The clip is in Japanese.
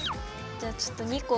じゃあちょっと２個。